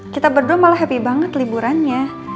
kita berdua malah happy banget liburannya